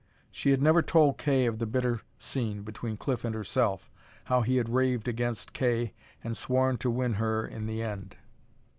She had never told Kay of the bitter scene between Cliff and herself, how he had raved against Kay and sworn to win her in the end.